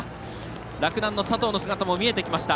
洛南の佐藤の姿も見えました。